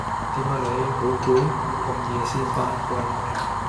點啊你？好攰？咁夜先返歸